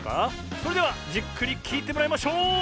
それではじっくりきいてもらいましょう！